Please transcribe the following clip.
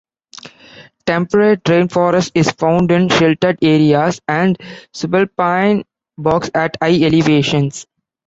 Temperate rainforest is found in sheltered areas, and subalpine bogs at high elevations.